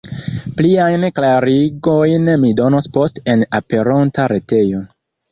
Pliajn klarigojn mi donos poste en aperonta retejo.